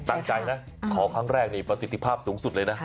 ตั้งใจนะขอครั้งแรกนี่ประสิทธิภาพสูงสุดเลยนะ